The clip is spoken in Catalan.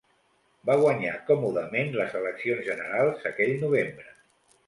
Va guanyar còmodament les eleccions generals aquell novembre.